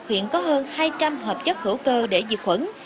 học viện có hơn hai trăm linh hợp chất hữu cơ để diệt khuẩn